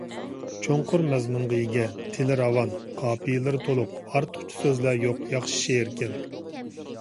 چوڭقۇر مەزمۇنغا ئىگە، تىلى راۋان، قاپىيەلىرى توق، ئارتۇقچە سۆزلەر يوق ياخشى شېئىركەن.